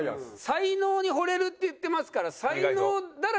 才能にほれるって言ってますから。